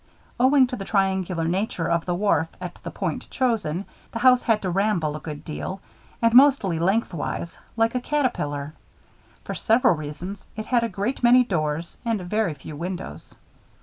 Owing to the triangular nature of the wharf, at the point chosen, the house had to ramble a good deal, and mostly lengthwise like a caterpillar. For several reasons, it had a great many doors and very few windows.